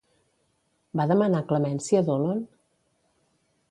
Va demanar clemència Dolon?